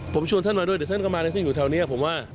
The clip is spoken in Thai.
ผมชวนท่านมาด้วยเดี๋ยวท่านก็มาเลยซึ่งอยู่แถวนี้ผมว่า